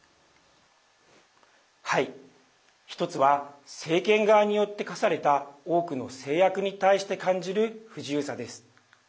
１つは政権側によって課された多くの制約に対して感じる不自由さです。